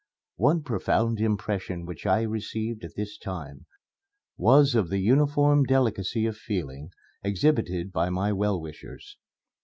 One profound impression which I received at this time was of the uniform delicacy of feeling exhibited by my well wishers.